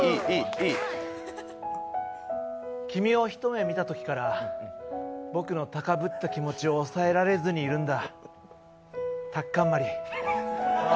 君を一目見たときから僕の高ぶった気持ちを抑えられずにいるんだ。